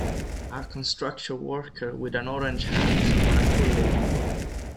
A construction worker with an orange hat on a pulley.